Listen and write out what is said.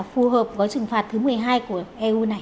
phù hợp gói trừng phạt thứ một mươi hai của eu này